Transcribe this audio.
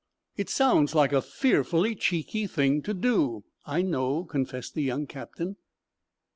"It sounds like a fearfully cheeky thing to do, I know," confessed the young captain.